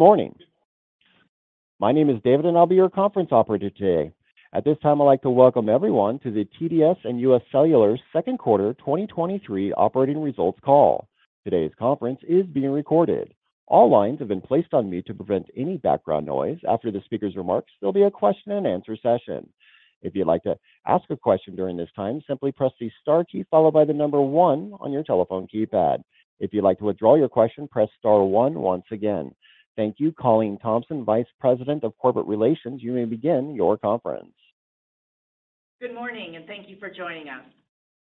Good morning. My name is David, and I'll be your conference operator today. At this time, I'd like to welcome everyone to the TDS and UScellular Second Quarter 2023 operating results call. Today's conference is being recorded. All lines have been placed on mute to prevent any background noise. After the speaker's remarks, there'll be a question-and-answer session. If you'd like to ask a question during this time, simply press the star key followed by the number 1 on your telephone keypad. If you'd like to withdraw your question, press star 1 once again. Thank you, Colleen Thompson, Vice President of Corporate Relations. You may begin your conference. Good morning, thank you for joining us.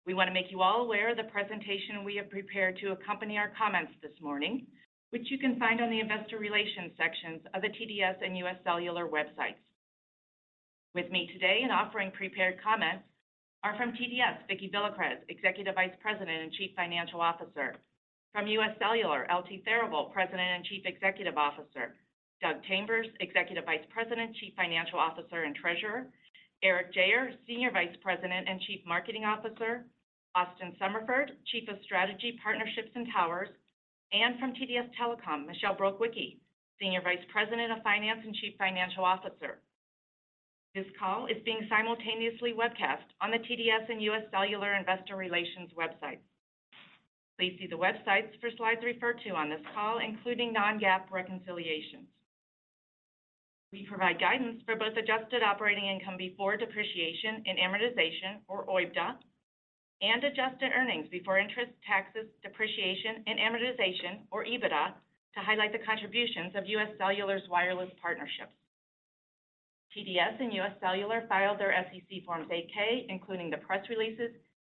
We want to make you all aware of the presentation we have prepared to accompany our comments this morning, which you can find on the investor relations sections of the TDS and US Cellular websites. With me today and offering prepared comments are from TDS, Vicki Villacres, Executive Vice President and Chief Financial Officer. From US Cellular, L.T. Thayer Voll, President and Chief Executive Officer, Doug Chambers, Executive Vice President, Chief Financial Officer, and Treasurer, Eric Jagher, Senior Vice President and Chief Marketing Officer, Austin Summerford, Chief of Strategy, Partnerships, and Towers, and from TDS Telecom, Michelle Brukwicki, Senior Vice President of Finance and Chief Financial Officer. This call is being simultaneously webcast on the TDS and US Cellular investor relations website. Please see the websites for slides referred to on this call, including non-GAAP reconciliations. We provide guidance for both adjusted operating income before depreciation and amortization, or OIBDA, and adjusted earnings before interest, taxes, depreciation, and amortization, or EBITDA, to highlight the contributions of UScellular's wireless partnerships. TDS and UScellular filed their SEC forms 8-K, including the press releases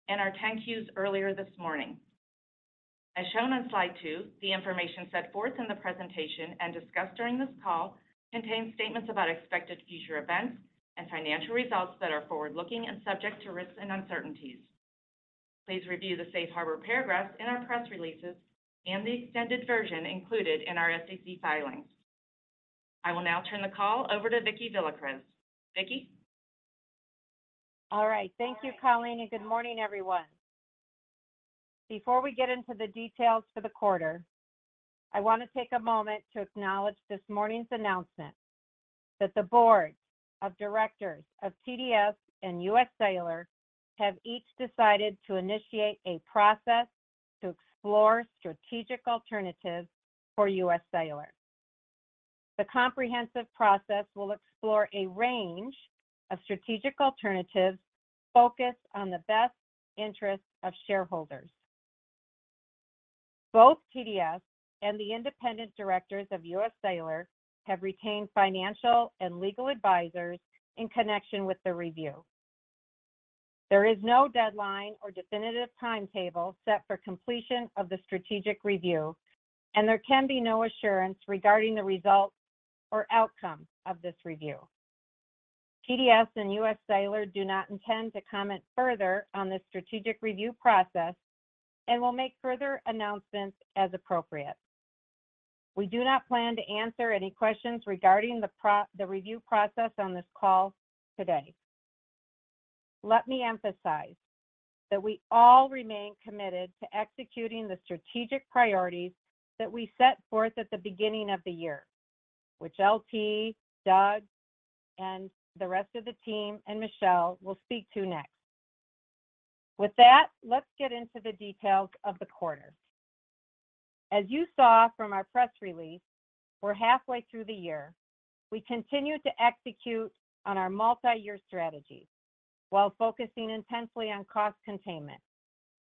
and our 10-Qs earlier this morning. As shown on slide two, the information set forth in the presentation and discussed during this call contains statements about expected future events and financial results that are forward-looking and subject to risks and uncertainties. Please review the safe harbor paragraphs in our press releases and the extended version included in our SEC filings. I will now turn the call over to Vicki Villacres. Vicki? All right. Thank you, Colleen, and good morning, everyone. Before we get into the details for the quarter, I want to take a moment to acknowledge this morning's announcement that the boards of directors of TDS and UScellular have each decided to initiate a process to explore strategic alternatives for UScellular. The comprehensive process will explore a range of strategic alternatives focused on the best interest of shareholders. Both TDS and the independent directors of UScellular have retained financial and legal advisors in connection with the review. There is no deadline or definitive timetable set for completion of the strategic review, and there can be no assurance regarding the results or outcome of this review. TDS and UScellular do not intend to comment further on this strategic review process and will make further announcements as appropriate. We do not plan to answer any questions regarding the review process on this call today. Let me emphasize that we all remain committed to executing the strategic priorities that we set forth at the beginning of the year, which L.T., Doug, and the rest of the team, and Michelle will speak to next. Let's get into the details of the quarter. As you saw from our press release, we're halfway through the year. We continue to execute on our multi-year strategies while focusing intensely on cost containment.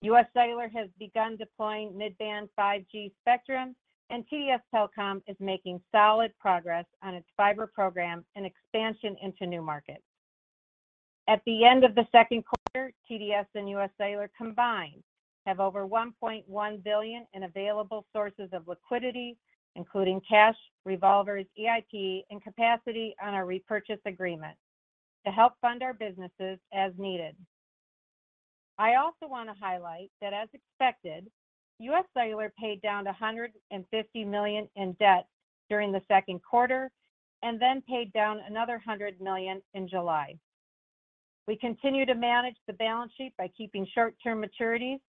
UScellular has begun deploying mid-band 5G spectrum, TDS Telecom is making solid progress on its fiber program and expansion into new markets. At the end of the second quarter, TDS and UScellular combined have over $1.1 billion in available sources of liquidity, including cash, revolvers, EIP, and capacity on our repurchase agreement to help fund our businesses as needed. I also want to highlight that, as expected, UScellular paid down $150 million in debt during the second quarter and then paid down another $100 million in July. We continue to manage the balance sheet by keeping short-term maturities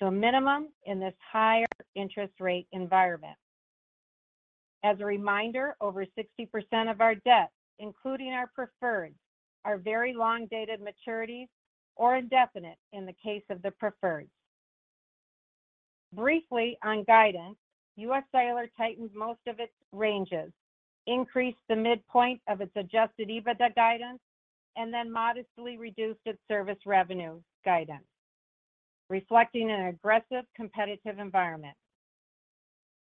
to a minimum in this higher interest rate environment. As a reminder, over 60% of our debt, including our preferred, are very long dated maturities or indefinite in the case of the preferred. Briefly, on guidance, UScellular tightened most of its ranges, increased the midpoint of its adjusted EBITDA guidance, and then modestly reduced its service revenue guidance, reflecting an aggressive competitive environment.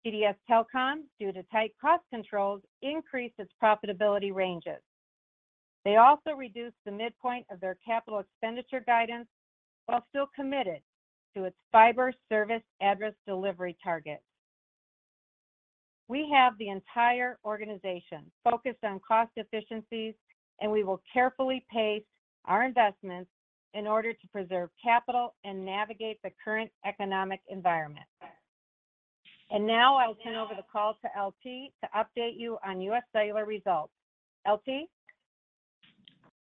TDS Telecom, due to tight cost controls, increased its profitability ranges. They also reduced the midpoint of their capital expenditure guidance while still committed to its fiber service address delivery target. We have the entire organization focused on cost efficiencies, and we will carefully pace our investments in order to preserve capital and navigate the current economic environment. Now I will turn over the call to LT to update you on UScellular results. LT?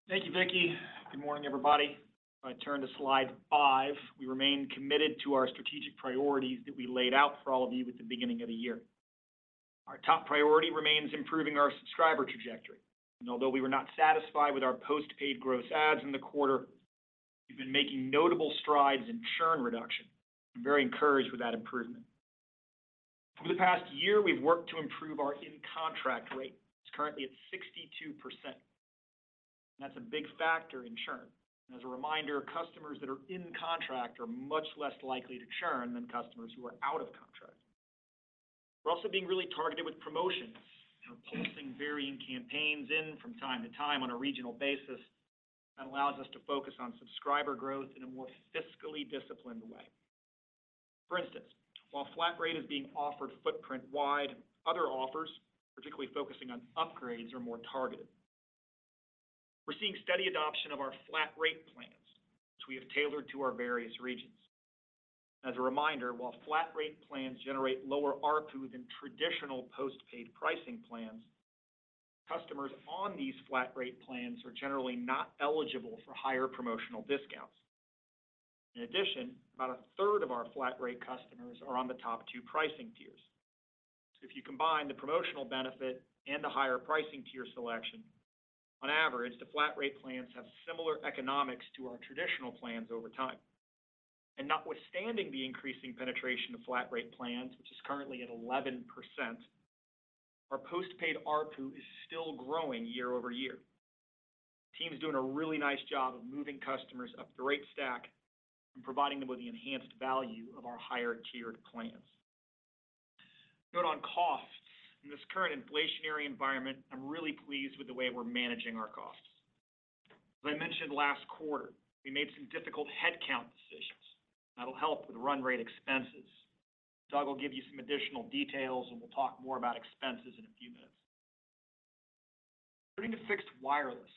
Thank you, Vicki. Good morning, everybody. If I turn to slide 5, we remain committed to our strategic priorities that we laid out for all of you at the beginning of the year. Our top priority remains improving our subscriber trajectory, and although we were not satisfied with our post-paid gross adds in the quarter, we've been making notable strides in churn reduction. I'm very encouraged with that improvement. Over the past year, we've worked to improve our in-contract rate. It's currently at 62%, and that's a big factor in churn. As a reminder, customers that are in contract are much less likely to churn than customers who are out of contract. We're also being really targeted with promotions, you know, pulsing varying campaigns in from time to time on a regional basis, that allows us to focus on subscriber growth in a more fiscally disciplined way. For instance, while flat rate is being offered footprint-wide, other offers, particularly focusing on upgrades, are more targeted. We're seeing steady adoption of our flat rate plans, which we have tailored to our various regions. As a reminder, while flat rate plans generate lower ARPU than traditional post-paid pricing plans, customers on these flat rate plans are generally not eligible for higher promotional discounts. In addition, about a third of our flat rate customers are on the top two pricing tiers. If you combine the promotional benefit and the higher pricing tier selection, on average, the flat rate plans have similar economics to our traditional plans over time. Notwithstanding the increasing penetration of flat rate plans, which is currently at 11%, our post-paid ARPU is still growing year-over-year. Team's doing a really nice job of moving customers up the rate stack and providing them with the enhanced value of our higher-tiered plans. A note on costs. In this current inflationary environment, I'm really pleased with the way we're managing our costs. As I mentioned last quarter, we made some difficult headcount decisions that'll help with run rate expenses. Doug will give you some additional details, and we'll talk more about expenses in a few minutes. Turning to Fixed Wireless,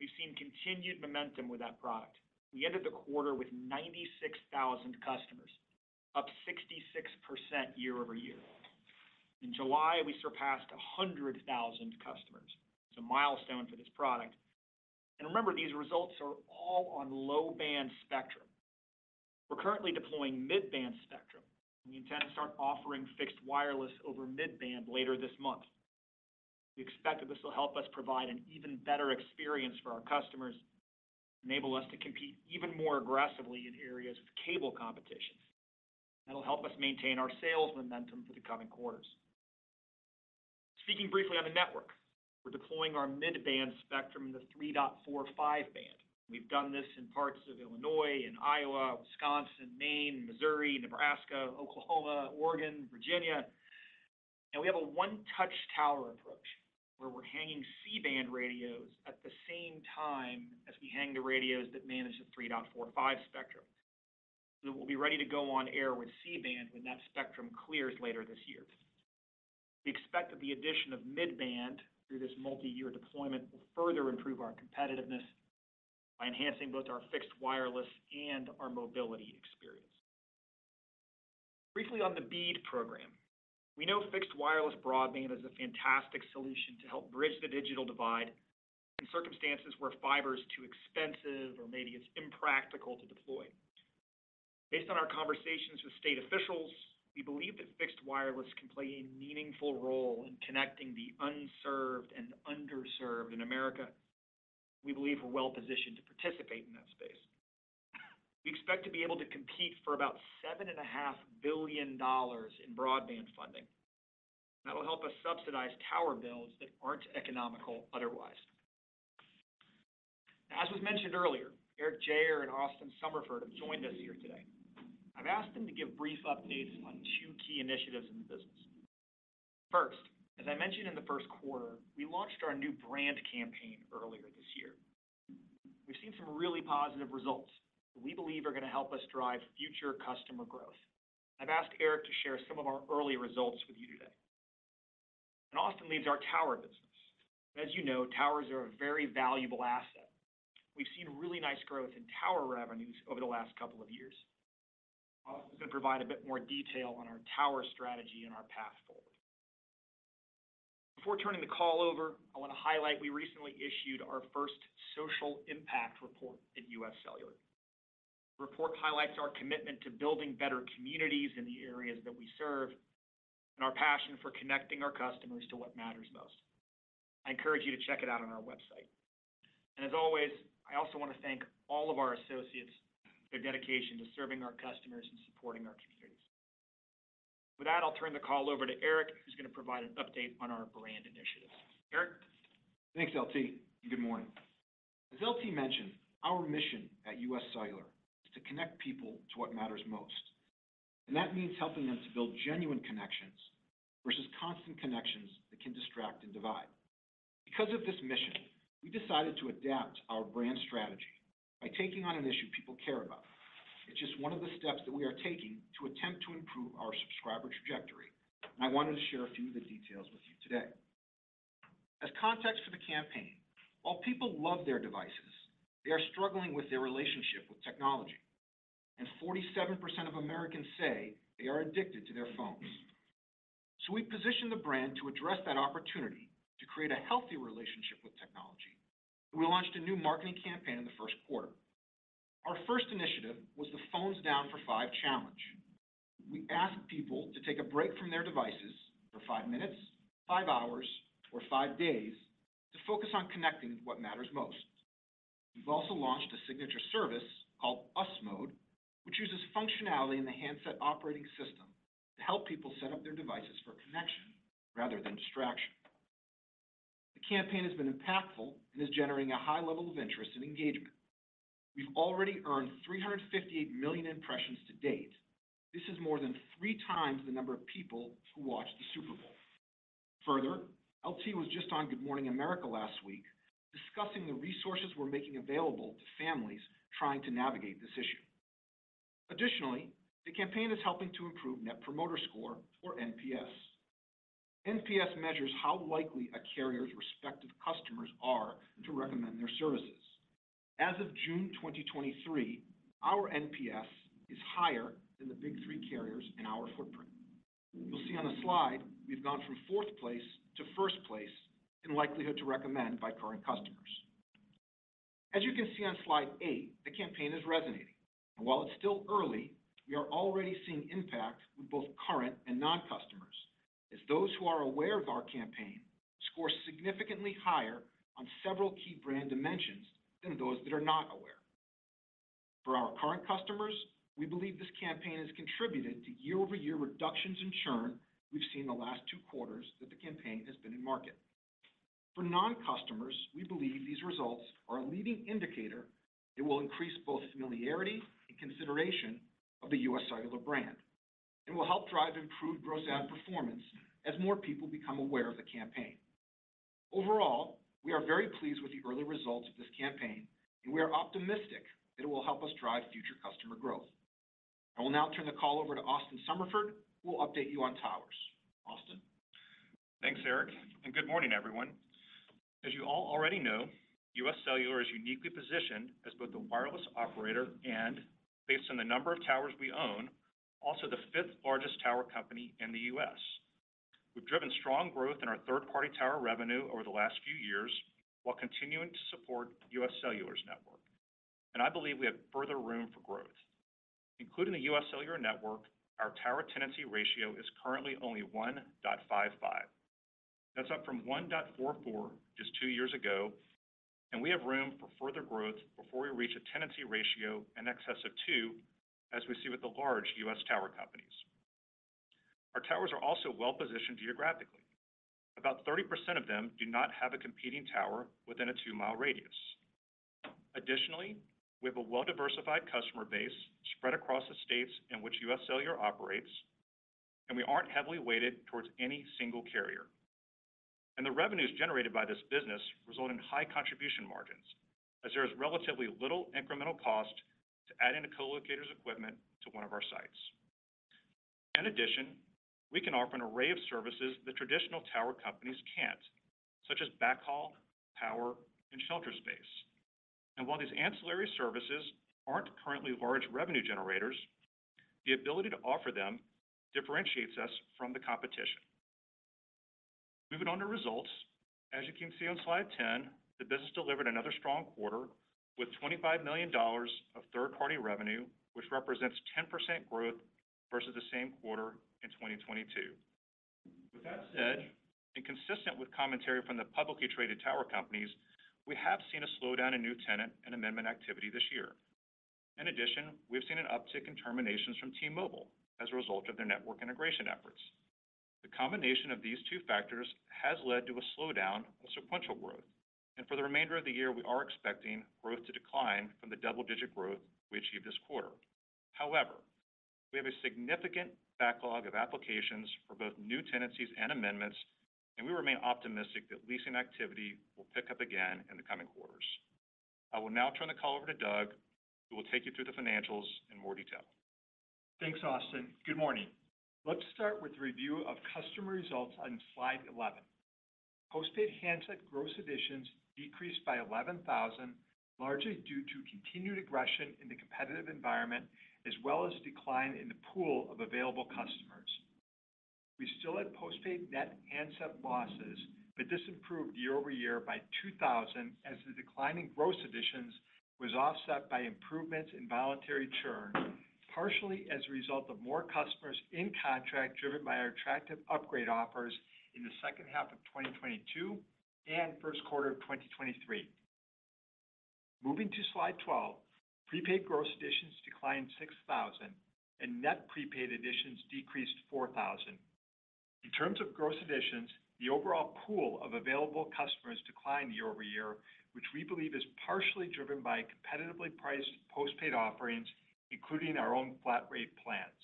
we've seen continued momentum with that product. We ended the quarter with 96,000 customers, up 66% year-over-year. In July, we surpassed 100,000 customers. It's a milestone for this product. Remember, these results are all on low-band spectrum. We're currently deploying mid-band spectrum, and we intend to start offering Fixed Wireless over mid-band later this month. We expect that this will help us provide an even better experience for our customers, enable us to compete even more aggressively in areas with cable competition. That'll help us maintain our sales momentum for the coming quarters. Speaking briefly on the network, we're deploying our mid-band spectrum in the 3.45 band. We've done this in parts of Illinois, Iowa, Wisconsin, Maine, Missouri, Nebraska, Oklahoma, Oregon, Virginia. We have a one-touch tower approach, where we're hanging C-band radios at the same time as we hang the radios that manage the 3.45 spectrum. We'll be ready to go on air with C-band when that spectrum clears later this year. We expect that the addition of mid-band through this multi-year deployment will further improve our competitiveness by enhancing both our Fixed Wireless and our mobility experience. Briefly on the BEAD program. We know Fixed Wireless Broadband is a fantastic solution to help bridge the digital divide in circumstances where fiber is too expensive or maybe it's impractical to deploy. Based on our conversations with state officials, we believe that Fixed Wireless can play a meaningful role in connecting the unserved and underserved in America. We believe we're well positioned to participate in that space. We expect to be able to compete for about $7.5 billion in broadband funding. That will help us subsidize tower builds that aren't economical otherwise. As was mentioned earlier, Eric Jagher and Austin Summerford have joined us here today. I've asked them to give brief updates on two key initiatives in the business. First, as I mentioned in the first quarter, we launched our new brand campaign earlier this year. We've seen some really positive results that we believe are going to help us drive future customer growth. I've asked Eric to share some of our early results with you today. Austin leads our tower business. As you know, towers are a very valuable asset. We've seen really nice growth in tower revenues over the last couple of years. Austin is going to provide a bit more detail on our tower strategy and our path forward. Before turning the call over, I want to highlight we recently issued our first Social Impact Report at UScellular. The report highlights our commitment to building better communities in the areas that we serve and our passion for connecting our customers to what matters most. I encourage you to check it out on our website. As always, I also want to thank all of our associates for their dedication to serving our customers and supporting our communities. With that, I'll turn the call over to Eric, who's going to provide an update on our brand initiative. Eric? Thanks, L.T. Good morning. As L.T. mentioned, our mission at UScellular is to connect people to what matters most. That means helping them to build genuine connections versus constant connections that can distract and divide. Because of this mission, we decided to adapt our brand strategy by taking on an issue people care about. It's just one of the steps that we are taking to attempt to improve our subscriber trajectory. I wanted to share a few of the details with you today. As context for the campaign, while people love their devices, they are struggling with their relationship with technology. 47% of Americans say they are addicted to their phones. We positioned the brand to address that opportunity to create a healthy relationship with technology. We launched a new marketing campaign in the first quarter. Our first initiative was the Phones Down for Five challenge. We asked people to take a break from their devices for five minutes, five hours, or five days to focus on connecting with what matters most. We've also launched a signature service called US Mode, which uses functionality in the handset operating system to help people set up their devices for connection rather than distraction. The campaign has been impactful and is generating a high level of interest and engagement. We've already earned 358 million impressions to date. This is more than three times the number of people who watched the Super Bowl. Further, LT was just on Good Morning America last week, discussing the resources we're making available to families trying to navigate this issue. Additionally, the campaign is helping to improve Net Promoter Score, or NPS. NPS measures how likely a carrier's respective customers are to recommend their services. As of June 2023, our NPS is higher than the big three carriers in our footprint. You'll see on the slide, we've gone from fourth place to first place in likelihood to recommend by current customers. As you can see on slide eight, the campaign is resonating, and while it's still early, we are already seeing impact with both current and non-customers, as those who are aware of our campaign score significantly higher on several key brand dimensions than those that are not aware. For our current customers, we believe this campaign has contributed to year-over-year reductions in churn we've seen in the last two quarters that the campaign has been in market. For non-customers, we believe these results are a leading indicator that will increase both familiarity and consideration of the UScellular brand and will help drive improved gross ad performance as more people become aware of the campaign. Overall, we are very pleased with the early results of this campaign, and we are optimistic that it will help us drive future customer growth. I will now turn the call over to Austin Summerford, who will update you on towers. Austin? Thanks, Eric. Good morning, everyone. As you all already know, UScellular is uniquely positioned as both a wireless operator and based on the number of towers we own, also the fifth largest tower company in the U.S. We've driven strong growth in our third-party tower revenue over the last few years, while continuing to support UScellular's network. I believe we have further room for growth. Including the UScellular network, our tower tenancy ratio is currently only 1.55. That's up from 1.44 just two years ago. We have room for further growth before we reach a tenancy ratio in excess of two, as we see with the large U.S. tower companies. Our towers are also well-positioned geographically. About 30% of them do not have a competing tower within a two-mile radius. Additionally, we have a well-diversified customer base spread across the states in which UScellular operates, we aren't heavily weighted towards any single carrier. The revenues generated by this business result in high contribution margins, as there is relatively little incremental cost to adding a co-locator's equipment to one of our sites. In addition, we can offer an array of services that traditional tower companies can't, such as backhaul, power, and shelter space. While these ancillary services aren't currently large revenue generators, the ability to offer them differentiates us from the competition. Moving on to results, as you can see on slide 10, the business delivered another strong quarter with $25 million of third-party revenue, which represents 10% growth versus the same quarter in 2022. With that said, and consistent with commentary from the publicly traded tower companies, we have seen a slowdown in new tenant and amendment activity this year. In addition, we've seen an uptick in terminations from T-Mobile as a result of their network integration efforts. The combination of these two factors has led to a slowdown of sequential growth, and for the remainder of the year, we are expecting growth to decline from the double-digit growth we achieved this quarter. However, we have a significant backlog of applications for both new tenancies and amendments, and we remain optimistic that leasing activity will pick up again in the coming quarters. I will now turn the call over to Doug, who will take you through the financials in more detail. Thanks, Austin. Good morning. Let's start with the review of customer results on slide 11. Postpaid handset gross additions decreased by 11,000, largely due to continued aggression in the competitive environment, as well as decline in the pool of available customers. We still had postpaid net handset losses, this improved year-over-year by 2,000 as the declining gross additions was offset by improvements in voluntary churn, partially as a result of more customers in contract, driven by our attractive upgrade offers in the second half of 2022 and first quarter of 2023. Moving to Slide 12, prepaid gross additions declined 6,000, and net prepaid additions decreased 4,000. In terms of gross additions, the overall pool of available customers declined year-over-year, which we believe is partially driven by competitively priced postpaid offerings, including our own flat rate plans.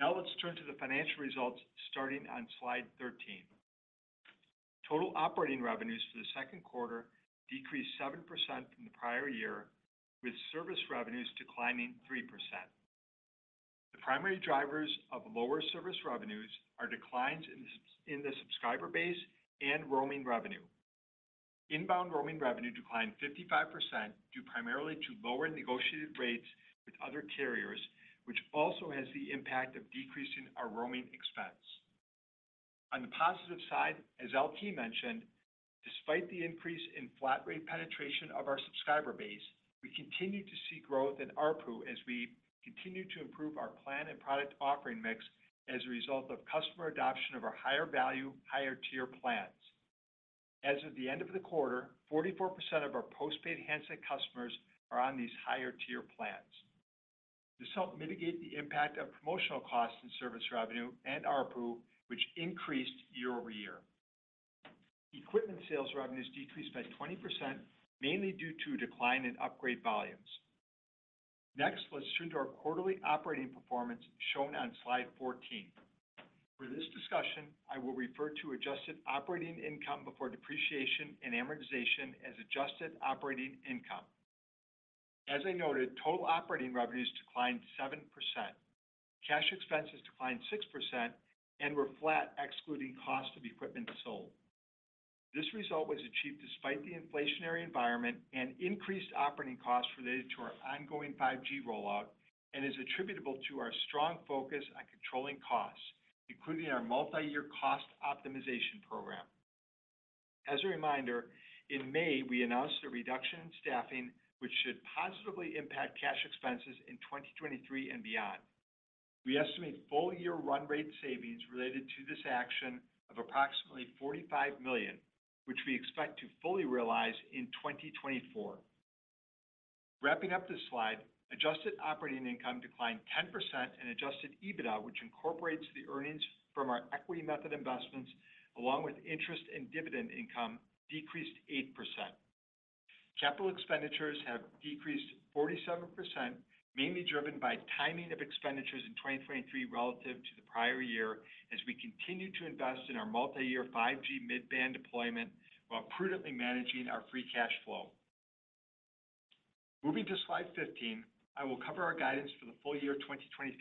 Now, let's turn to the financial results starting on slide 13. Total operating revenues for the second quarter decreased 7% from the prior year, with service revenues declining 3%. The primary drivers of lower service revenues are declines in the, in the subscriber base and roaming revenue. Inbound roaming revenue declined 55%, due primarily to lower negotiated rates with other carriers, which also has the impact of decreasing our roaming expense. On the positive side, as L.T. mentioned, despite the increase in flat rate penetration of our subscriber base, we continued to see growth in ARPU as we continued to improve our plan and product offering mix as a result of customer adoption of our higher value, higher tier plans. As of the end of the quarter, 44% of our postpaid handset customers are on these higher tier plans. This helped mitigate the impact of promotional costs in service revenue and ARPU, which increased year-over-year. Equipment sales revenues decreased by 20%, mainly due to a decline in upgrade volumes. Let's turn to our quarterly operating performance, shown on slide 14. For this discussion, I will refer to adjusted operating income before depreciation and amortization as adjusted operating income. As I noted, total operating revenues declined 7%. Cash expenses declined 6% and were flat, excluding cost of equipment sold. This result was achieved despite the inflationary environment and increased operating costs related to our ongoing 5G rollout, and is attributable to our strong focus on controlling costs, including our multi-year cost optimization program. As a reminder, in May, we announced a reduction in staffing, which should positively impact cash expenses in 2023 and beyond. We estimate full-year run rate savings related to this action of approximately $45 million, which we expect to fully realize in 2024. Wrapping up this slide, adjusted operating income declined 10%, and adjusted EBITDA, which incorporates the earnings from our equity method investments along with interest and dividend income, decreased 8%. Capital expenditures have decreased 47%, mainly driven by timing of expenditures in 2023 relative to the prior year, as we continued to invest in our multi-year 5G mid-band deployment while prudently managing our free cash flow. Moving to slide 15, I will cover our guidance for the full year 2023.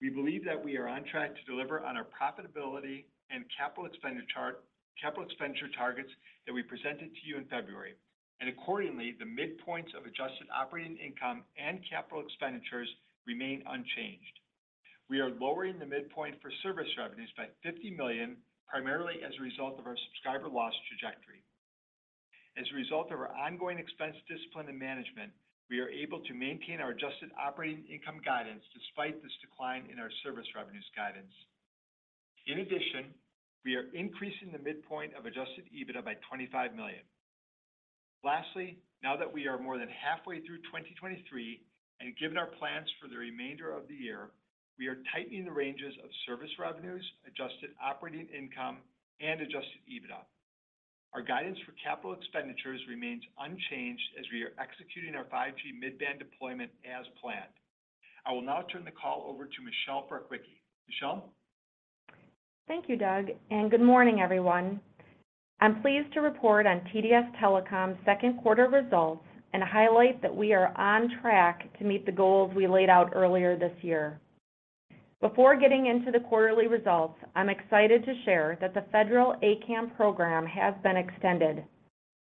We believe that we are on track to deliver on our profitability and capital expenditure capital expenditure targets that we presented to you in February, and accordingly, the midpoints of adjusted operating income and capital expenditures remain unchanged. We are lowering the midpoint for service revenues by $50 million, primarily as a result of our subscriber loss trajectory. As a result of our ongoing expense discipline and management, we are able to maintain our adjusted operating income guidance despite this decline in our service revenues guidance. In addition, we are increasing the midpoint of adjusted EBITDA by $25 million. Lastly, now that we are more than halfway through 2023, given our plans for the remainder of the year, we are tightening the ranges of service revenues, adjusted operating income, and adjusted EBITDA. Our guidance for capital expenditures remains unchanged as we are executing our 5G mid-band deployment as planned. I will now turn the call over to Michelle Brukwicki. Michelle? Thank you, Doug. Good morning, everyone. I'm pleased to report on TDS Telecom's second quarter results and highlight that we are on track to meet the goals we laid out earlier this year. Before getting into the quarterly results, I'm excited to share that the Federal A-CAM program has been extended.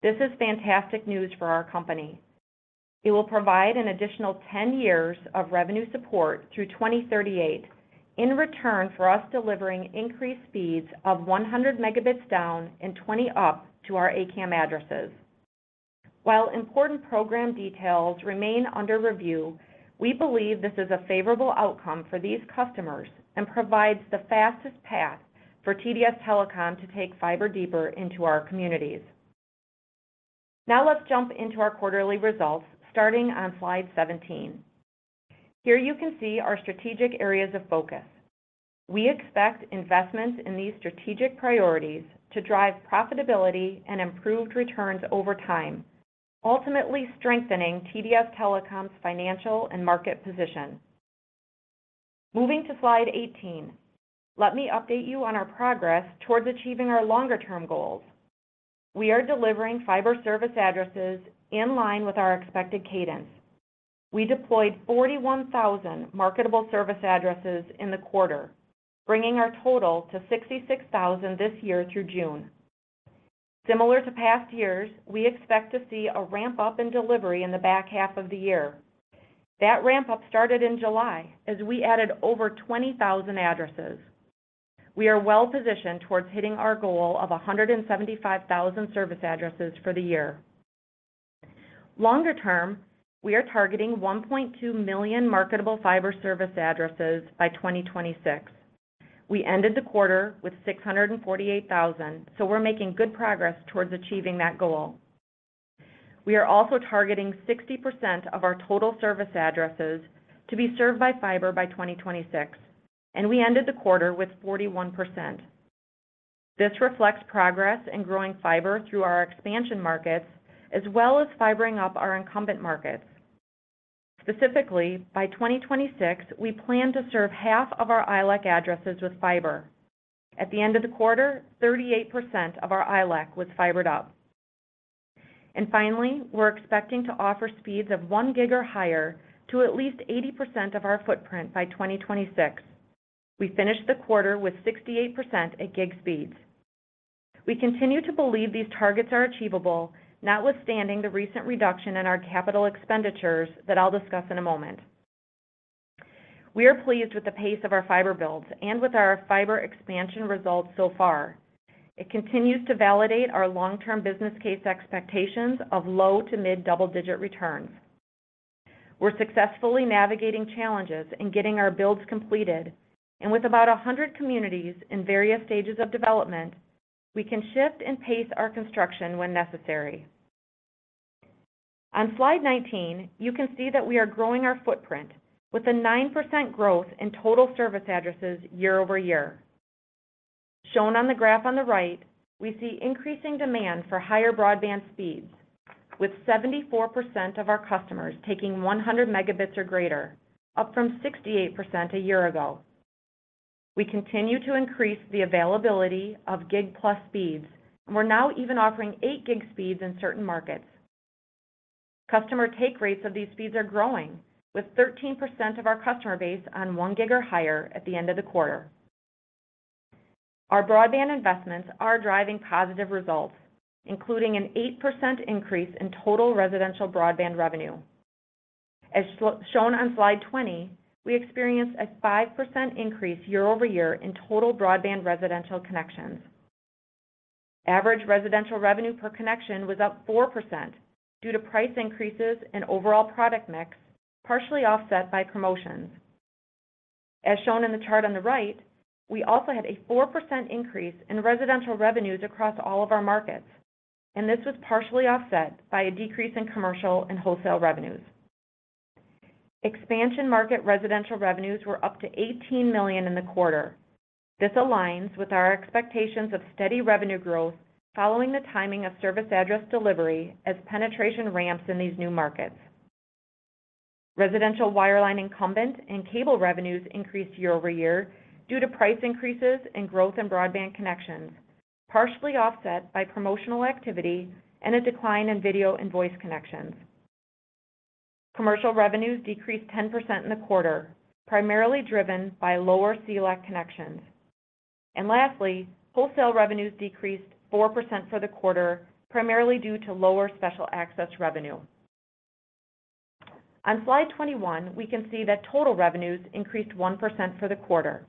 This is fantastic news for our company. It will provide an additional 10 years of revenue support through 2038, in return for us delivering increased speeds of 100 MG down and 20 up to our A-CAM addresses. While important program details remain under review, we believe this is a favorable outcome for these customers and provides the fastest path for TDS Telecom to take fiber deeper into our communities. Let's jump into our quarterly results, starting on slide 17. Here you can see our strategic areas of focus. We expect investments in these strategic priorities to drive profitability and improved returns over time, ultimately strengthening TDS Telecom's financial and market position. Moving to slide 18, let me update you on our progress towards achieving our longer-term goals. We are delivering fiber service addresses in line with our expected cadence. We deployed 41,000 marketable service addresses in the quarter, bringing our total to 66,000 this year through June. Similar to past years, we expect to see a ramp-up in delivery in the back half of the year. That ramp-up started in July as we added over 20,000 addresses. We are well positioned towards hitting our goal of 175,000 service addresses for the year. Longer term, we are targeting 1.2 million marketable fiber service addresses by 2026. We ended the quarter with 648,000, we're making good progress towards achieving that goal. We are also targeting 60% of our total service addresses to be served by fiber by 2026, and we ended the quarter with 41%. This reflects progress in growing fiber through our expansion markets, as well as fibering up our incumbent markets. Specifically, by 2026, we plan to serve half of our ILEC addresses with fiber. At the end of the quarter, 38% of our ILEC was fibered up. Finally, we're expecting to offer speeds of 1 gig or higher to at least 80% of our footprint by 2026. We finished the quarter with 68% at gig speeds. We continue to believe these targets are achievable, notwithstanding the recent reduction in our CapEx that I'll discuss in a moment. We are pleased with the pace of our fiber builds and with our fiber expansion results so far. It continues to validate our long-term business case expectations of low to mid double-digit returns. We're successfully navigating challenges and getting our builds completed. With about 100 communities in various stages of development, we can shift and pace our construction when necessary. On slide 19, you can see that we are growing our footprint with a 9% growth in total service addresses year-over-year. Shown on the graph on the right, we see increasing demand for higher broadband speeds, with 74% of our customers taking 100 MG or greater, up from 68% a year ago. We continue to increase the availability of gig plus speeds. We're now even offering 8 gig speeds in certain markets. Customer take rates of these speeds are growing, with 13% of our customer base on 1 gig or higher at the end of the quarter. Our broadband investments are driving positive results, including an 8% increase in total residential broadband revenue. As shown on slide 20, we experienced a 5% increase year-over-year in total broadband residential connections. Average residential revenue per connection was up 4% due to price increases and overall product mix, partially offset by promotions. As shown in the chart on the right, we also had a 4% increase in residential revenues across all of our markets, this was partially offset by a decrease in commercial and wholesale revenues. Expansion market residential revenues were up to $18 million in the quarter. This aligns with our expectations of steady revenue growth following the timing of service address delivery as penetration ramps in these new markets. Residential wireline incumbent and cable revenues increased year-over-year due to price increases and growth in broadband connections, partially offset by promotional activity and a decline in video and voice connections. Commercial revenues decreased 10% in the quarter, primarily driven by lower CLEC connections. Lastly, wholesale revenues decreased 4% for the quarter, primarily due to lower special access revenue. On slide 21, we can see that total revenues increased 1% for the quarter.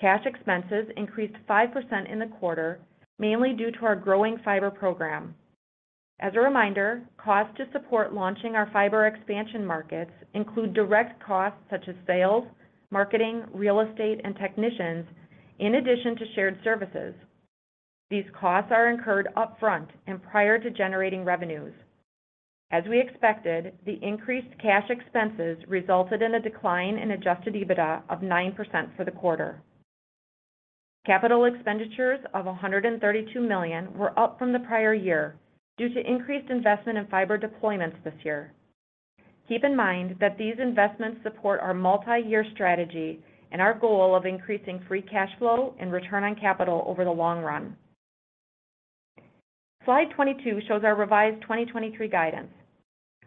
Cash expenses increased 5% in the quarter, mainly due to our growing fiber program. As a reminder, costs to support launching our fiber expansion markets include direct costs such as sales, marketing, real estate, and technicians, in addition to shared services. These costs are incurred upfront and prior to generating revenues. As we expected, the increased cash expenses resulted in a decline in Adjusted EBITDA of 9% for the quarter. Capital expenditures of $132 million were up from the prior year due to increased investment in fiber deployments this year. Keep in mind that these investments support our multi-year strategy and our goal of increasing free cash flow and return on capital over the long run. Slide 22 shows our revised 2023 guidance.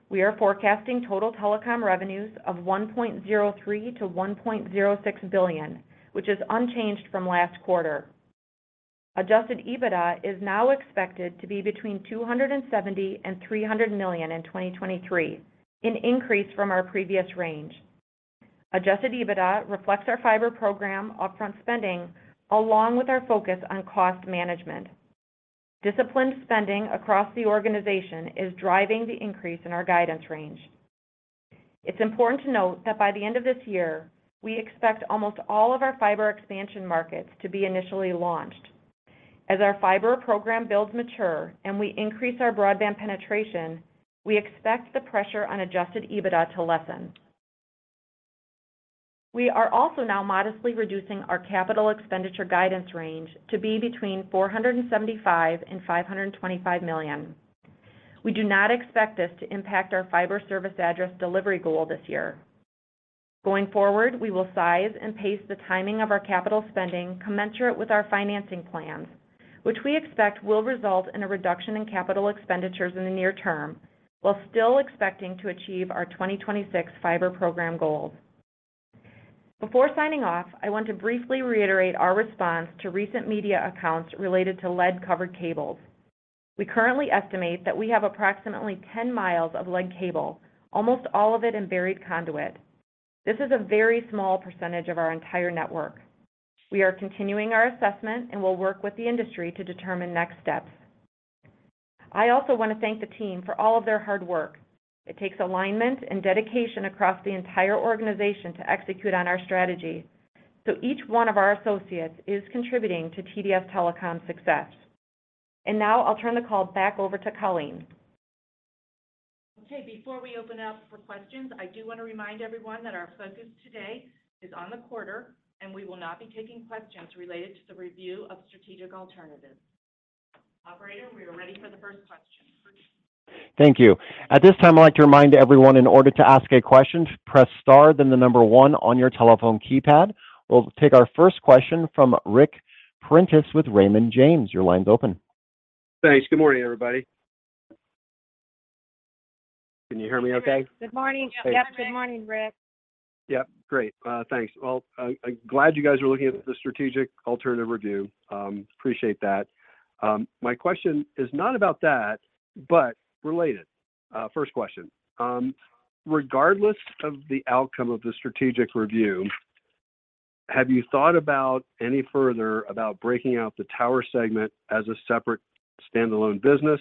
We are forecasting total telecom revenues of $1.03 billion-$1.06 billion, which is unchanged from last quarter. Adjusted EBITDA is now expected to be between $270 million and $300 million in 2023, an increase from our previous range. Adjusted EBITDA reflects our fiber program upfront spending, along with our focus on cost management. Disciplined spending across the organization is driving the increase in our guidance range. It's important to note that by the end of this year, we expect almost all of our fiber expansion markets to be initially launched. As our fiber program builds mature and we increase our broadband penetration, we expect the pressure on adjusted EBITDA to lessen. We are also now modestly reducing our CapEx guidance range to be between $475 million and $525 million. We do not expect this to impact our fiber service address delivery goal this year. Going forward, we will size and pace the timing of our CapEx commensurate with our financing plans, which we expect will result in a reduction in CapEx in the near term, while still expecting to achieve our 2026 fiber program goals. Before signing off, I want to briefly reiterate our response to recent media accounts related to lead-covered cables. We currently estimate that we have approximately 10 miles of lead cable, almost all of it in buried conduit. This is a very small percentage of our entire network. We are continuing our assessment and will work with the industry to determine next steps. I also want to thank the team for all of their hard work. It takes alignment and dedication across the entire organization to execute on our strategy, so each one of our associates is contributing to TDS Telecom's success. Now I'll turn the call back over to Colleen. Okay, before we open up for questions, I do want to remind everyone that our focus today is on the quarter, and we will not be taking questions related to the review of strategic alternatives. Operator, we are ready for the first question. Thank you. At this time, I'd like to remind everyone, in order to ask a question, press Star, then the number one on your telephone keypad. We'll take our first question from Ric Prentiss with Raymond James. Your line's open. Thanks. Good morning, everybody. Can you hear me okay? Good morning. Hey- Yep, good morning, Ric. Yep, great. Thanks. Well, I, I'm glad you guys are looking at the strategic alternative review. Appreciate that. My question is not about that, but related. First question: Regardless of the outcome of the strategic review, have you thought about any further about breaking out the tower segment as a separate standalone business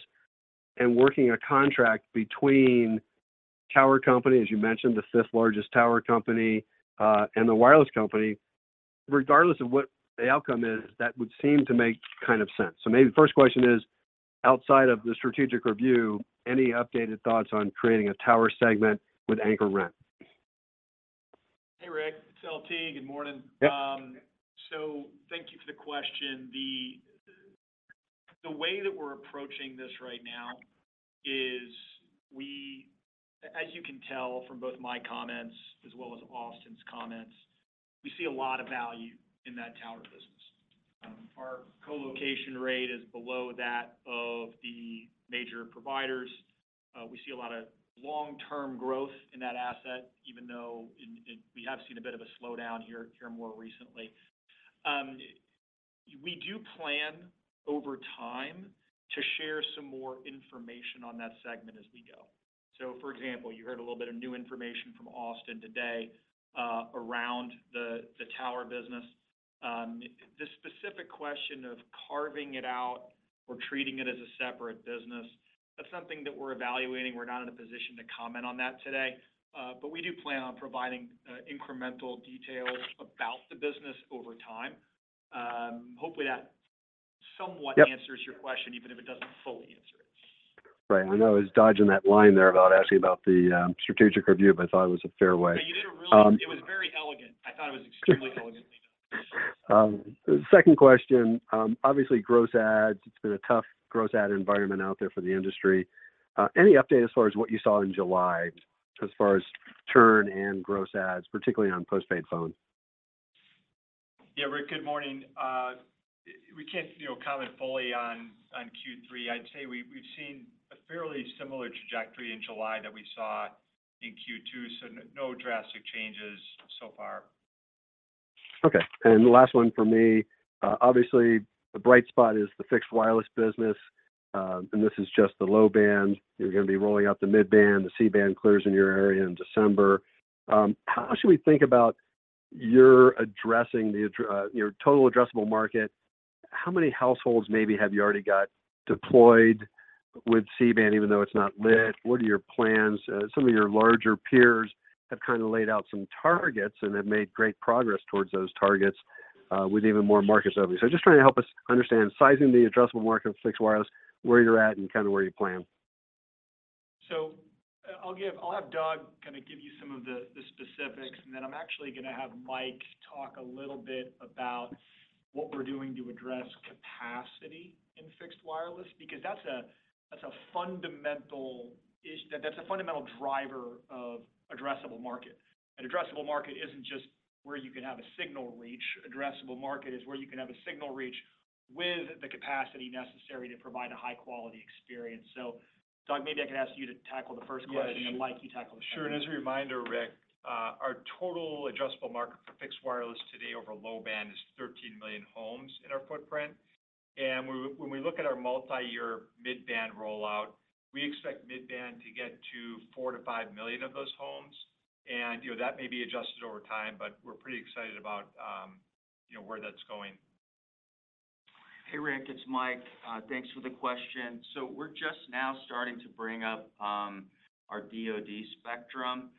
and working a contract between tower company, as you mentioned, the fifth largest tower company, and the wireless company? Regardless of what the outcome is, that would seem to make kind of sense. Maybe the first question is, outside of the strategic review, any updated thoughts on creating a tower segment with anchor rent? Hey, Ric, it's L.T. Good morning. Yep. Thank you for the question. The way that we're approaching this right now is, as you can tell from both my comments as well as Austin's comments, we see a lot of value in that tower business. Our co-location rate is below that of the major providers. We see a lot of long-term growth in that asset, even though we have seen a bit of a slowdown here more recently. We do plan over time to share some more information on that segment as we go. For example, you heard a little bit of new information from Austin today, around the tower business. The specific question of carving it out or treating it as a separate business, that's something that we're evaluating. We're not in a position to comment on that today, but we do plan on providing incremental details about the business over time. Hopefully that somewhat- Yep answers your question, even if it doesn't fully answer it. Right. I know I was dodging that line there about asking about the strategic review, but I thought it was a fair way. No, you did a really-- Um- It was very elegant. I thought it was extremely elegantly done. The second question, obviously, gross ads, it's been a tough gross ad environment out there for the industry. Any update as far as what you saw in July, as far as turn and gross ads, particularly on postpaid phone? Yeah, Ric, good morning. We can't, you know, comment fully on, on Q3. I'd say we've, we've seen a fairly similar trajectory in July that we saw in Q2, so no drastic changes so far. Okay, and the last one for me. Obviously, the bright spot is the Fixed Wireless business, and this is just the low-band. You're gonna be rolling out the mid-band, the C-band clears in your area in December. How should we think about your addressing the total addressable market? How many households maybe have you already got deployed with C-band, even though it's not lit? What are your plans? Some of your larger peers have kind of laid out some targets and have made great progress towards those targets, with even more markets opening. Just trying to help us understand, sizing the addressable market of Fixed Wireless, where you're at and kind of where you plan. I'll have Doug kind of give you some of the, the specifics, and then I'm actually gonna have Mike talk a little bit about what we're doing to address capacity in Fixed Wireless, because that's a, that's a fundamental that's a fundamental driver of addressable market. An addressable market isn't just where you can have a signal reach. Addressable market is where you can have a signal reach with the capacity necessary to provide a high-quality experience. Doug, maybe I can ask you to tackle the first question. Yes. Mike, you tackle the second. Sure, as a reminder, Ric, our total addressable market for Fixed Wireless today over low-band is 13 million homes in our footprint. When we look at our multi-year mid-band rollout, we expect mid-band to get to 4 million-5 million of those homes. You know, that may be adjusted over time, but we're pretty excited about, you know, where that's going. Hey, Ric, it's Mike. Thanks for the question. We're just now starting to bring up our DoD spectrum,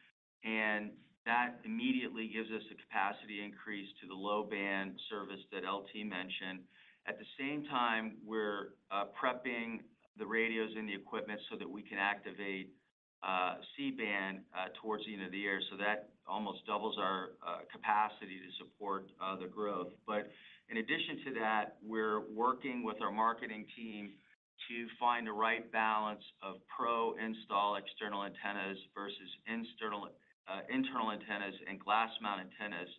and that immediately gives us a capacity increase to the low-band service that LT mentioned. At the same time, we're prepping the radios and the equipment so that we can activate C-band towards the end of the year. That almost doubles our capacity to support the growth. In addition to that, we're working with our marketing team to find the right balance of pro install external antennas versus internal internal antennas and glass mount antennas.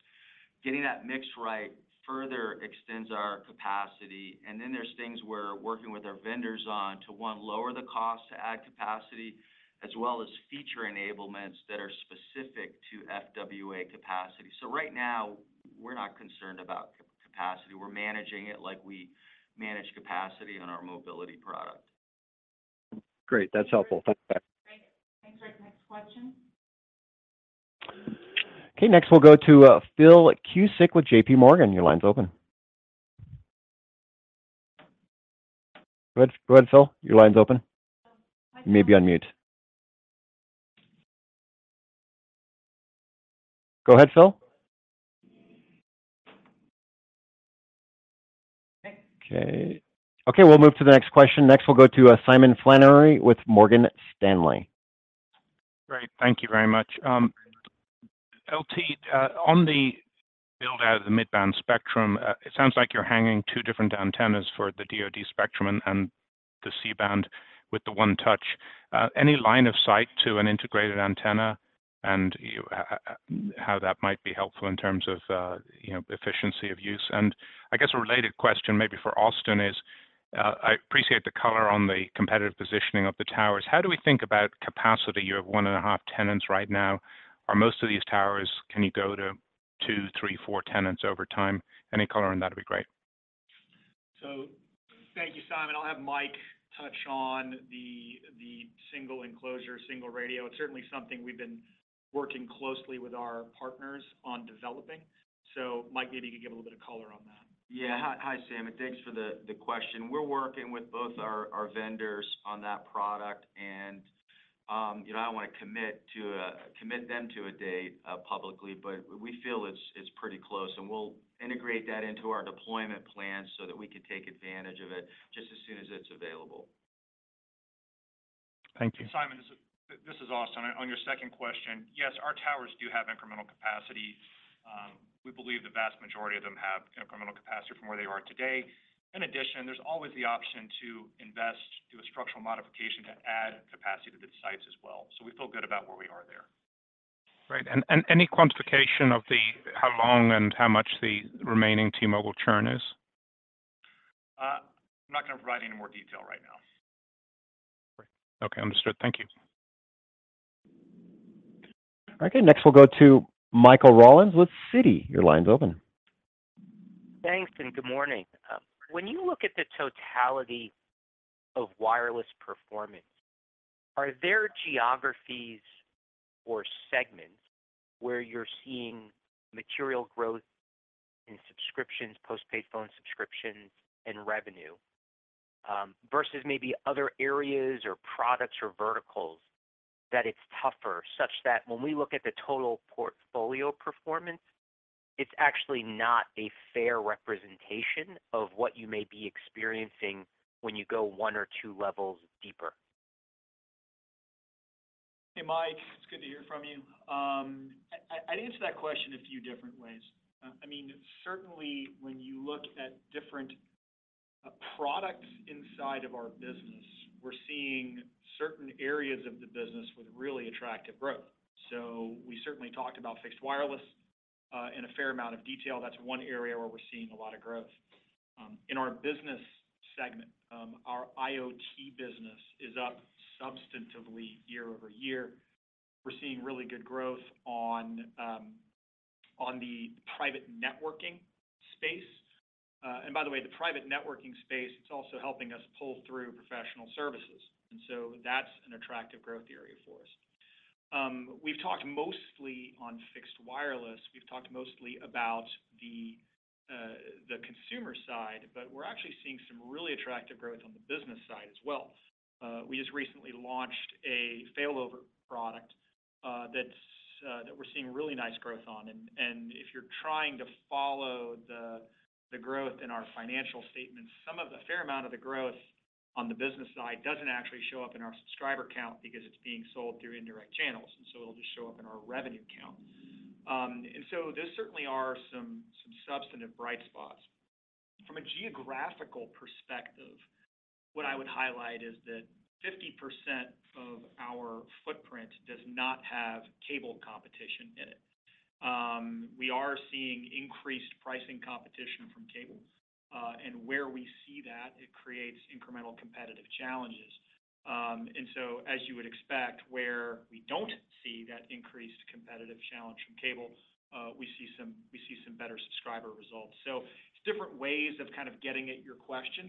Getting that mix right further extends our capacity, and then there's things we're working with our vendors on to, one, lower the cost to add capacity, as well as feature enablements that are specific to FWA capacity. Right now, we're not concerned about ca-capacity. We're managing it like we manage capacity on our mobility product. Great, that's helpful. Thanks, back. Great. Thanks, Ric. Next question. Okay, next we'll go to Phil Cusick with J.P. Morgan. Your line's open. Go ahead, go ahead, Phil. Your line's open. Mike- You may be on mute. Go ahead, Phil. Okay. Okay. Okay, we'll move to the next question. Next, we'll go to Simon Flannery with Morgan Stanley. Great. Thank you very much. L.T., on the build out of the mid-band spectrum, it sounds like you're hanging two different antennas for the DoD spectrum and the C-band with the one touch. Any line of sight to an integrated antenna, and how that might be helpful in terms of efficiency of use? I guess a related question, maybe for Austin, is, I appreciate the color on the competitive positioning of the towers. How do we think about capacity? You have 1.5 tenants right now. Are most of these towers, can you go to two, three, four tenants over time? Any color on that would be great. Thank you, Simon. I'll have Mike touch on the, the single enclosure, single radio. It's certainly something we've been working closely with our partners on developing. Mike, maybe you could give a little bit of color on that. Yeah. Hi, hi, Simon. Thanks for the, the question. We're working with both our, our vendors on that product, and, you know, I don't want to commit them to a date publicly, but we feel it's, it's pretty close, and we'll integrate that into our deployment plan so that we can take advantage of it just as soon as it's available. Thank you. Simon, this, this is Austin. On your second question, yes, our towers do have incremental capacity. We believe the vast majority of them have incremental capacity from where they are today. In addition, there's always the option to invest, do a structural modification to add capacity to the sites as well. We feel good about where we are there. Great. Any quantification of the, how long and how much the remaining T-Mobile churn is? I'm not going to provide any more detail right now. Great. Okay, understood. Thank you. Okay, next we'll go to Michael Rollins with Citi. Your line's open. Thanks, good morning. When you look at the totality of wireless performance, are there geographies or segments where you're seeing material growth in subscriptions, postpaid phone subscriptions, and revenue versus maybe other areas or products or verticals that it's tougher, such that when we look at the total portfolio performance, it's actually not a fair representation of what you may be experiencing when you go one or two levels deeper? Hey, Mike, it's good to hear from you. I'd answer that question a few different ways. I mean, certainly when you look at different products inside of our business, we're seeing certain areas of the business with really attractive growth. We certainly talked about Fixed Wireless in a fair amount of detail. That's one area where we're seeing a lot of growth. In our business segment, our IoT business is up substantively year-over-year. We're seeing really good growth on the private networking space. By the way, the private networking space, it's also helping us pull through professional services, so that's an attractive growth area for us. We've talked mostly on Fixed Wireless. We've talked mostly about the consumer side, but we're actually seeing some really attractive growth on the business side as well. We just recently launched a failover product that's that we're seeing really nice growth on. If you're trying to follow the growth in our financial statements, some of the fair amount of the growth on the business side doesn't actually show up in our subscriber count because it's being sold through indirect channels, and so it'll just show up in our revenue count. There certainly are some, some substantive bright spots. From a geographical perspective, what I would highlight is that 50% of our footprint does not have cable competition in it. We are seeing increased pricing competition from cable, and where we see that, it creates incremental competitive challenges. So as you would expect, where we don't see that increased competitive challenge from cable, we see some, we see some better subscriber results. It's different ways of kind of getting at your question.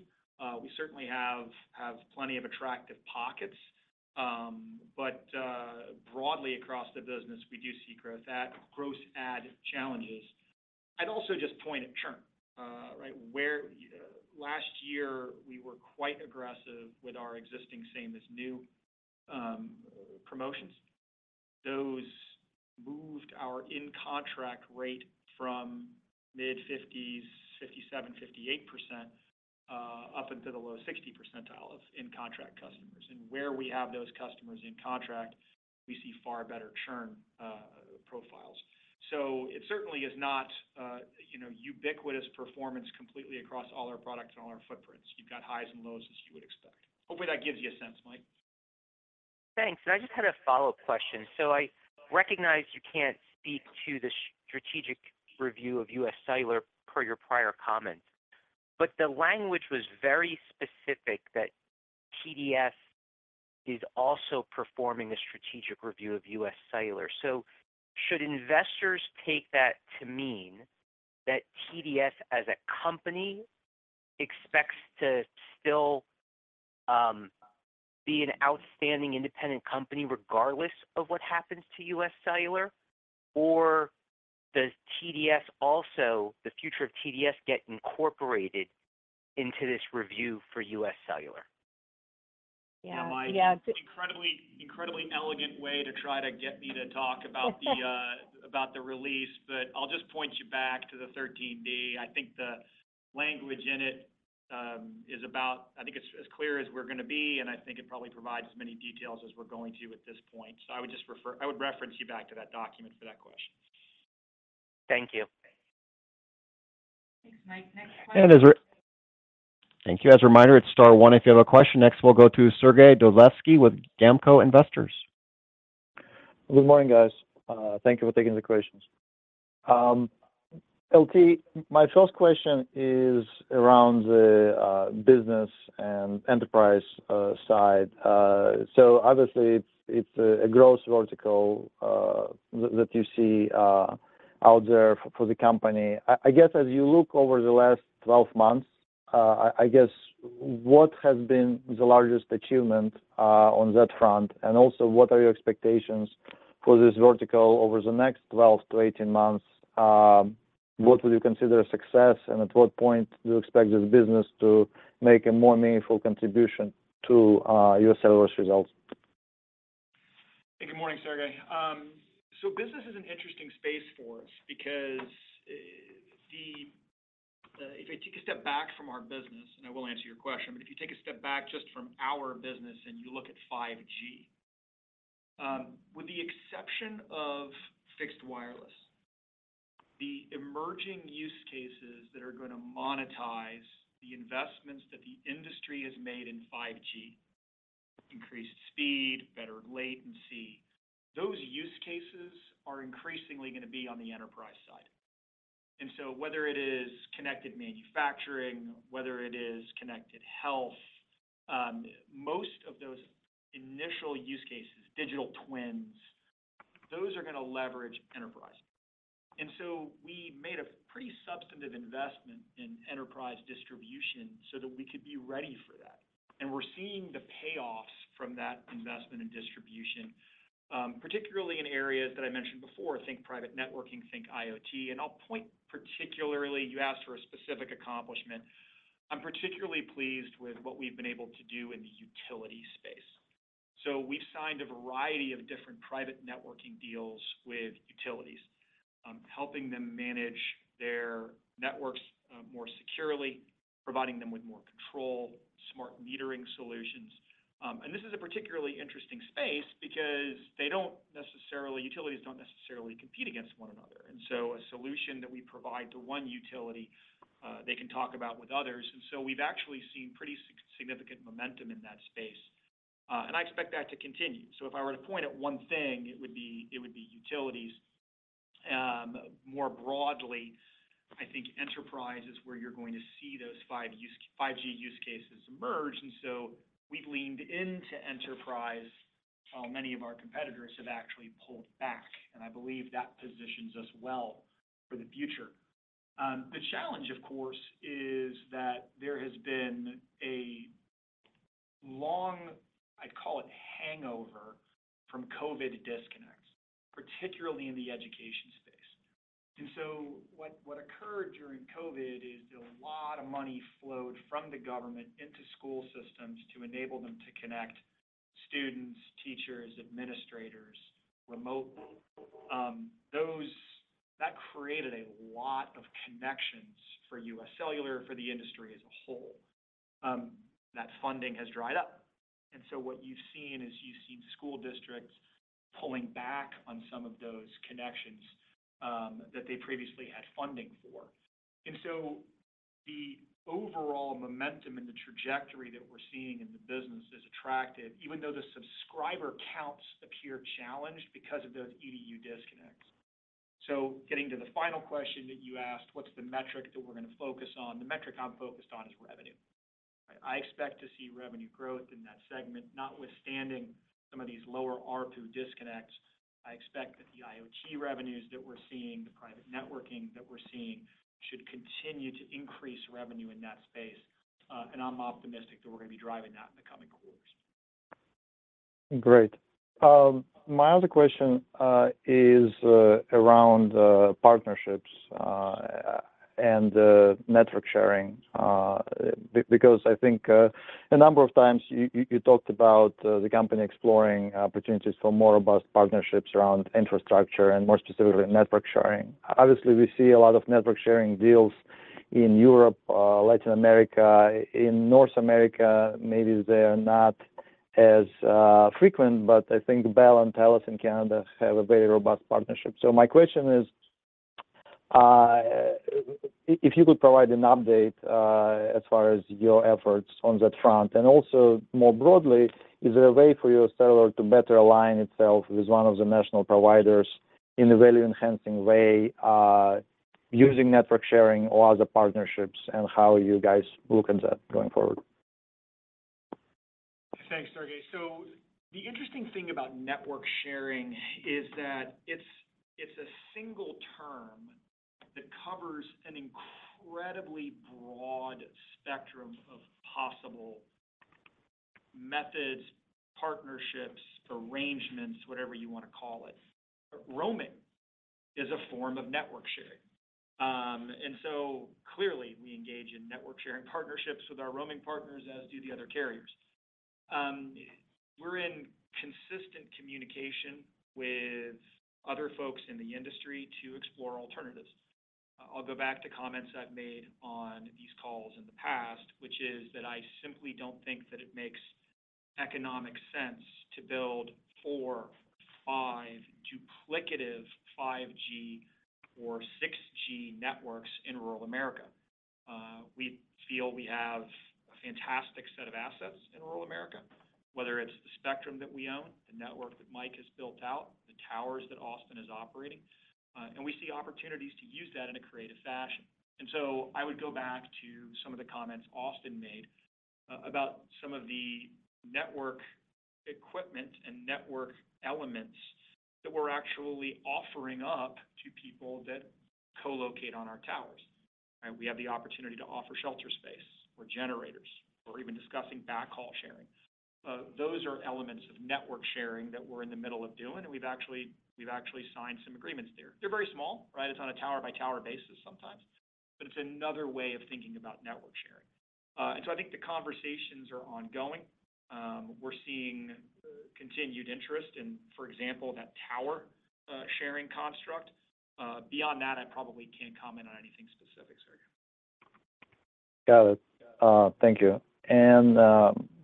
We certainly have, have plenty of attractive pockets, broadly across the business, we do see growth add challenges. I'd also just point at churn, right? Where, last year, we were quite aggressive with our existing same-as-new promotions. Those moved our in-contract rate from mid-50s, 57%, 58%, up into the low 60 percentile of in-contract customers. Where we have those customers in contract, we see far better churn profiles. It certainly is not, you know, ubiquitous performance completely across all our products and all our footprints. You've got highs and lows as you would expect. Hopefully, that gives you a sense, Mike. Thanks. I just had a follow-up question. I recognize you can't speak to the strategic review of UScellular per your prior comments, but the language was very specific that TDS is also performing a strategic review of UScellular. Should investors take that to mean that TDS, as a company, expects to still be an outstanding independent company regardless of what happens to UScellular? Does TDS also the future of TDS get incorporated into this review for UScellular? Yeah, Mike. Incredibly, incredibly elegant way to try to get me to talk about the released, but I'll just point you back to the 13B. I think the language in it is about I think it's as clear as we're gonna be, and I think it probably provides as many details as we're going to at this point. I would just refer I would reference you back to that document for that question. Thank you. Thanks, Mike. Next question. Thank you. As a reminder, it's star one if you have a question. Next, we'll go to Sergey Dovlatov with GAMCO Investors. Good morning, guys. Thank you for taking the questions. LT, my first question is around the business and enterprise side. obviously, it's, it's a, a growth vertical that you see out there for, for the company. I, I guess as you look over the last 12 months, I, I guess what has been the largest achievement on that front? also, what are your expectations for this vertical over the next 12 to 18 months? what would you consider a success, and at what point do you expect this business to make a more meaningful contribution to your sales results? Hey, good morning, Sergey. Business is an interesting space for us because if I take a step back from our business, I will answer your question. If you take a step back just from our business and you look at 5G, with the exception of Fixed Wireless, the emerging use cases that are gonna monetize the investments that the industry has made in 5G: increased speed, better latency, those use cases are increasingly gonna be on the enterprise side. Whether it is connected manufacturing, whether it is connected health, most of those initial use cases, digital twins, those are gonna leverage enterprise. We made a pretty substantive investment in enterprise distribution so that we could be ready for that. We're seeing the payoffs from that investment in distribution, particularly in areas that I mentioned before, think private networking, think IoT. I'll point particularly, you asked for a specific accomplishment. I'm particularly pleased with what we've been able to do in the utility space. We've signed a variety of different private networking deals with utilities, helping them manage their networks, more securely, providing them with more control, smart metering solutions. This is a particularly interesting space because they don't necessarily utilities don't necessarily compete against one another, and so a solution that we provide to one utility, they can talk about with others. We've actually seen pretty significant momentum in that space, and I expect that to continue. If I were to point at one thing, it would be, it would be utilities. More broadly, I think enterprise is where you're going to see those 5G use cases emerge, and so we've leaned into enterprise while many of our competitors have actually pulled back, and I believe that positions us well for the future. The challenge, of course, is that there has been a long, I'd call it hangover, from COVID disconnects, particularly in the education space. What occurred during COVID is a lot of money flowed from the government into school systems to enable them to connect students, teachers, administrators remotely. That created a lot of connections for UScellular, for the industry as a whole. That funding has dried up, and so what you've seen is you've seen school districts pulling back on some of those connections that they previously had funding for. The overall momentum and the trajectory that we're seeing in the business is attractive, even though the subscriber counts appear challenged because of those EDU disconnects. Getting to the final question that you asked, what's the metric that we're gonna focus on? The metric I'm focused on is revenue. I expect to see revenue growth in that segment, notwithstanding some of these lower ARPU disconnects. I expect that the IoT revenues that we're seeing, the private networking that we're seeing, should continue to increase revenue in that space. and I'm optimistic that we're gonna be driving that in the coming quarters. Great. My other question is around partnerships and network sharing. Because I think a number of times you, you, you talked about the company exploring opportunities for more robust partnerships around infrastructure and more specifically, network sharing. Obviously, we see a lot of network sharing deals in Europe, Latin America. In North America, maybe they are not as frequent, but I think Bell and TELUS in Canada have a very robust partnership. My question is, if you could provide an update as far as your efforts on that front. Also, more broadly, is there a way for UScellular to better align itself with one of the national providers in a value-enhancing way, using network sharing or other partnerships, and how you guys look at that going forward? Thanks, Sergey. The interesting thing about network sharing is that it's, it's a single term that covers an incredibly broad spectrum of possible methods, partnerships, arrangements, whatever you want to call it. Roaming is a form of network sharing. Clearly, we engage in network sharing partnerships with our roaming partners, as do the other carriers. We're in consistent communication with other folks in the industry to explore alternatives. I'll go back to comments I've made on these calls in the past, which is that I simply don't think that it makes economic sense to build four, five duplicative 5G or 6G networks in rural America. We feel we have a fantastic set of assets in rural America, whether it's the spectrum that we own, the network that Mike has built out, the towers that Austin is operating, and we see opportunities to use that in a creative fashion. So I would go back to some of the comments Austin made, about some of the network equipment and network elements that we're actually offering up to people that co-locate on our towers. Right? We have the opportunity to offer shelter space or generators, or even discussing backhaul sharing. Those are elements of network sharing that we're in the middle of doing, and we've actually, we've actually signed some agreements there. They're very small, right? It's on a tower-by-tower basis sometimes, but it's another way of thinking about network sharing. So I think the conversations are ongoing. We're seeing continued interest in, for example, that tower sharing construct. Beyond that, I probably can't comment on anything specific, Sergey. Got it. Thank you.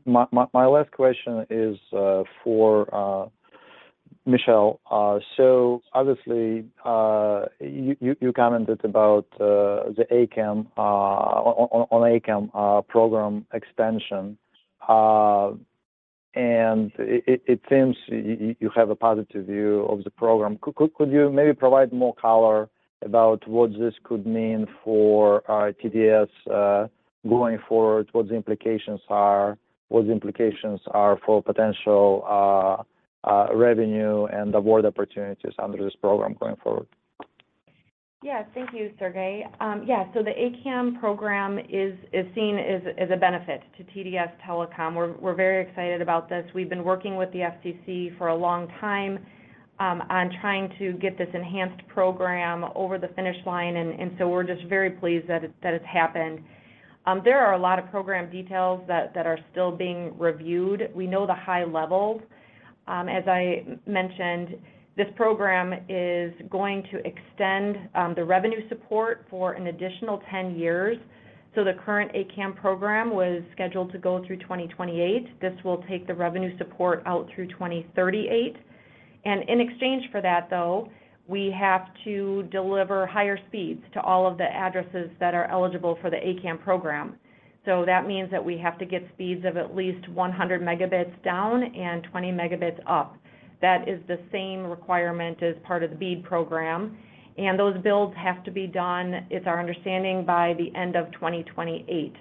My last question is for Michelle. Obviously, you commented about the A-CAM on A-CAM program extension. It seems you have a positive view of the program. Could you maybe provide more color about what this could mean for TDS going forward? What the implications are, what the implications are for potential revenue and award opportunities under this program going forward? Yeah. Thank you, Sergey. Yeah, the A-CAM program is, is seen as, as a benefit to TDS Telecom. We're, we're very excited about this. We've been working with the FCC for a long time on trying to get this enhanced program over the finish line, and, and so we're just very pleased that it, that it's happened. There are a lot of program details that, that are still being reviewed. We know the high levels. As I mentioned, this program is going to extend the revenue support for an additional 10 years. The current A-CAM program was scheduled to go through 2028. This will take the revenue support out through 2038, and in exchange for that, though, we have to deliver higher speeds to all of the addresses that are eligible for the A-CAM program. That means that we have to get speeds of at least 100 MG down and 20 MG up. That is the same requirement as part of the BEAD program, and those builds have to be done, it's our understanding, by the end of 2028.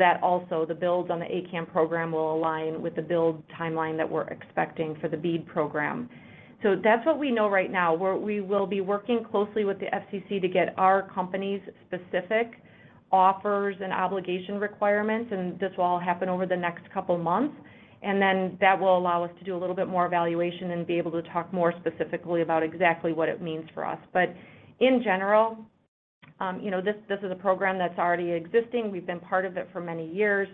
That also, the builds on the A-CAM program will align with the build timeline that we're expecting for the BEAD program. That's what we know right now. We will be working closely with the FCC to get our company's specific offers and obligation requirements, and this will all happen over the next couple months. Then, that will allow us to do a little bit more evaluation and be able to talk more specifically about exactly what it means for us. In general, you know, this, this is a program that's already existing. We've been part of it for many years.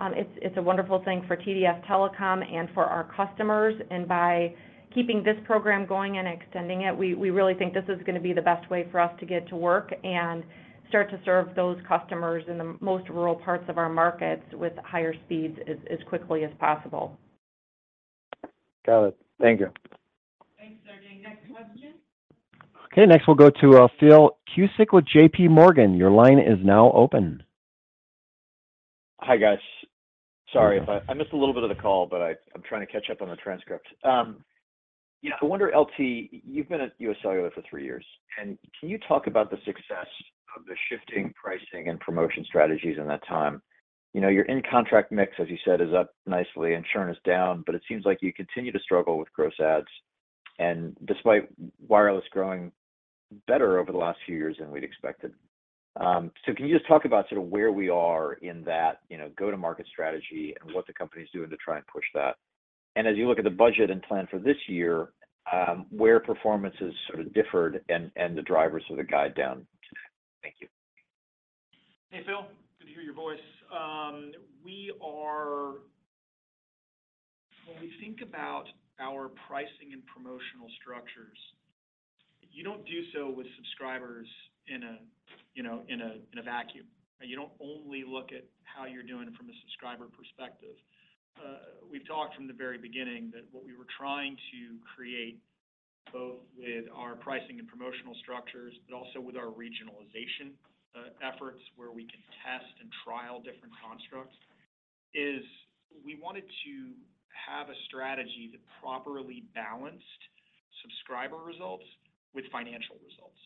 It's, it's a wonderful thing for TDS Telecom and for our customers. By keeping this program going and extending it, we, we really think this is going to be the best way for us to get to work and start to serve those customers in the most rural parts of our markets with higher speeds as, as quickly as possible. Got it. Thank you. Thanks, Sergey. Next question. Okay, next we'll go to Phil Cusick with J.P. Morgan. Your line is now open. Hi, guys. Sorry if. Welcome. I missed a little bit of the call, but I, I'm trying to catch up on the transcript. Yeah, I wonder, LT, you've been at UScellular for 3 years. Can you talk about the success of the shifting pricing and promotion strategies in that time? You know, your in-contract mix, as you said, is up nicely and churn is down, but it seems like you continue to struggle with gross adds, and despite wireless growing better over the last few years than we'd expected. So can you just talk about sort of where we are in that, you know, go-to-market strategy and what the company is doing to try and push that? As you look at the budget and plan for this year, where performance has sort of differed and, and the drivers of the guide down? Thank you. Hey, Phil. Good to hear your voice. When we think about our pricing and promotional structures, you don't do so with subscribers in a, you know, in a, in a vacuum. You don't only look at how you're doing from a subscriber perspective. We've talked from the very beginning that what we were trying to create, both with our pricing and promotional structures, but also with our regionalization efforts, where we can test and trial different constructs, is we wanted to have a strategy that properly balanced subscriber results with financial results.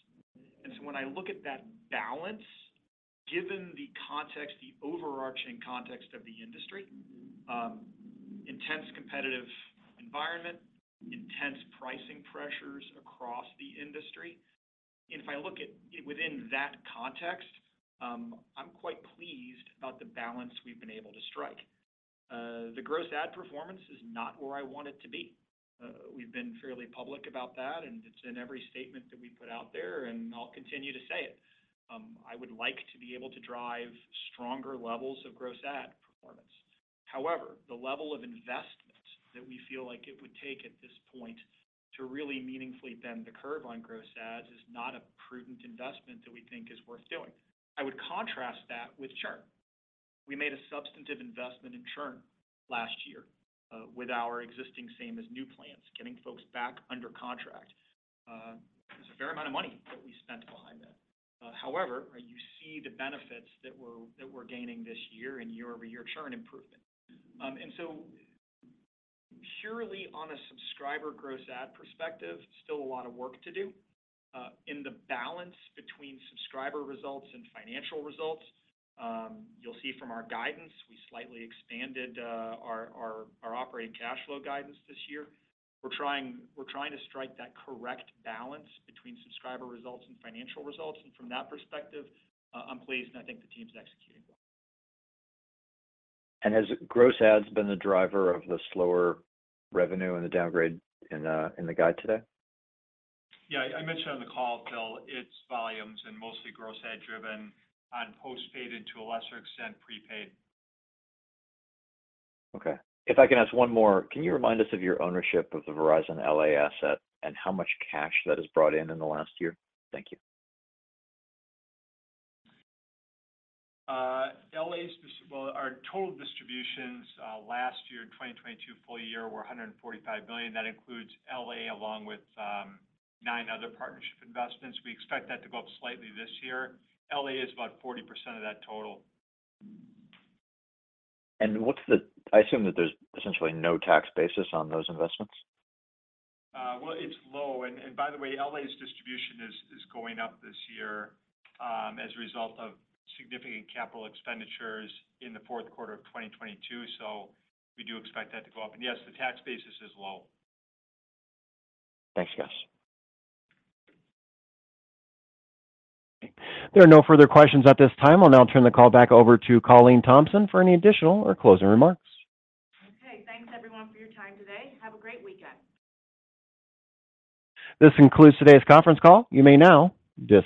When I look at that balance, given the context, the overarching context of the industry, intense competitive environment, intense pricing pressures across the industry, and if I look at it within that context, I'm quite pleased about the balance we've been able to strike. The gross add performance is not where I want it to be. We've been fairly public about that, and it's in every statement that we put out there, and I'll continue to say it. I would like to be able to drive stronger levels of gross add performance. However, the level of investment that we feel like it would take at this point to really meaningfully bend the curve on gross adds is not a prudent investment that we think is worth doing. I would contrast that with churn. We made a substantive investment in churn last year, with our existing same-as-new plans, getting folks back under contract. It's a fair amount of money that we spent behind that. However, you see the benefits that we're, that we're gaining this year in year-over-year churn improvement. Purely on a subscriber gross ad perspective, still a lot of work to do. In the balance between subscriber results and financial results, you'll see from our guidance, we slightly expanded our, our, our operating cash flow guidance this year. We're trying, we're trying to strike that correct balance between subscriber results and financial results, and from that perspective, I'm pleased, and I think the team's executing well. Has gross ads been the driver of the slower revenue and the downgrade in the guide today? Yeah, I mentioned on the call, Phil, it's volumes and mostly gross ad driven on postpaid and to a lesser extent, prepaid. Okay. If I can ask one more, can you remind us of your ownership of the Verizon L.A. asset and how much cash that has brought in in the last year? Thank you. Well, our total distributions, last year, 2022 full year, were $145 billion. That includes LA, along with, nine other partnership investments. We expect that to go up slightly this year. LA is about 40% of that total. What's the I assume that there's essentially no tax basis on those investments? Well, it's low. By the way, L.A.'s distribution is, is going up this year, as a result of significant capital expenditures in the fourth quarter of 2022, so we do expect that to go up. Yes, the tax basis is low. Thanks, guys. There are no further questions at this time. I'll now turn the call back over to Colleen Thompson for any additional or closing remarks. Okay. Thanks everyone for your time today. Have a great weekend. This concludes today's conference call. You may now disconnect.